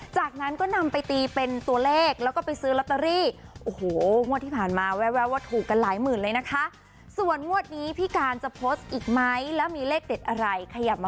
จากนั้นก็นำไปตีเป็นตัวเลขแล้วก็ไปซื้อลอตเตอรี่